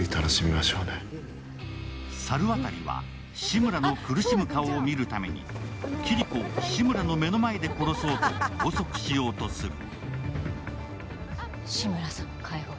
猿渡は志村の苦しむ顔を見るためにキリコを志村の目の前で殺そうと拘束しようとする。